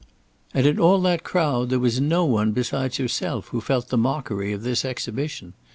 And in all that crowd there was no one besides herself who felt the mockery of this exhibition.